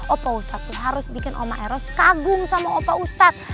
opa ustad itu harus bikin woma eros kagum sama opa ustad